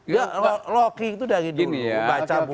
ya locking itu dari dulu baca buku